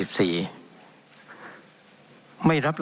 เป็นของสมาชิกสภาพภูมิแทนรัฐรนดร